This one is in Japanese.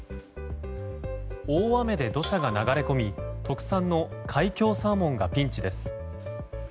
大雨で土砂が流れ込み特産の海峡サーモンがピンチです。